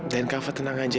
dan kava tenang aja ya